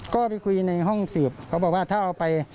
ก็ไปคุยในห้องสืบเขาบอกว่าถ้าเอาไป